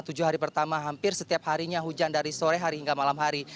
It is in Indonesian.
tujuh hari pertama hampir setiap harinya hujan dari sore hari hingga malam hari